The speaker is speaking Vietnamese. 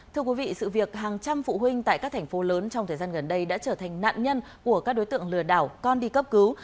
thưa quý vị sự việc hàng trăm phụ huynh tại các thành phố lớn trong thời gian gần đây đã trở thành nạn nhân của các đối tượng lừa đảo con đi cấp cứu